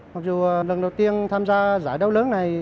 mặc dù lần đầu tiên tham gia giải đấu lớn này